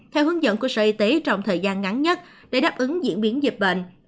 theo hướng dẫn của sở y tế trong thời gian ngắn nhất để đáp ứng diễn biến dịch bệnh